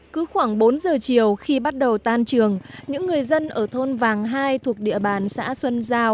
cứ khoảng bốn giờ chiều khi bắt đầu tan trường những người dân ở thôn vàng hai thuộc địa bàn xã xuân giao